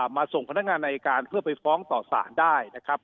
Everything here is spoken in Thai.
ส่งพนักงานอายการเพื่อไปฟ้องต่อสารได้นะครับ